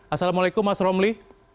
assalamualaikum mas romli